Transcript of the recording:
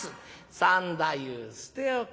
「三太夫捨て置け。